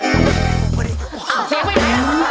เสียไปไหนละ